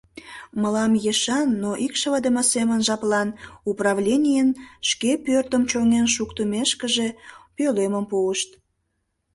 Мылам ешан, но икшывыдыме семын жаплан, управленийын шке пӧртым чоҥен шуктымешкыже, пӧлемым пуышт.